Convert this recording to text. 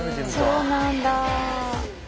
そうなんだ。